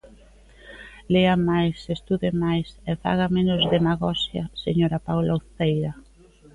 Lea máis, estude máis e faga menos demagoxia, señora Paula Uceira.